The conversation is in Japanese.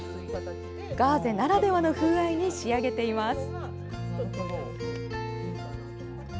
ガーゼならではの風合いに仕上げています。